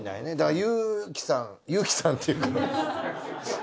祐希さん祐希さんっていうか。